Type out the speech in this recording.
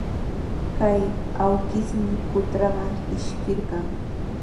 Kay awkishmi qutraman ishkirqan.